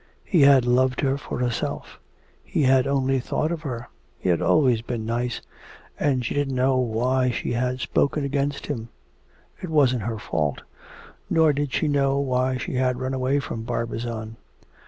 He had loved her for herself; he had only thought of her.... He had always been nice, and she didn't know why she had spoken against him; it wasn't her fault.... Nor did she know why she had run away from Barbizon.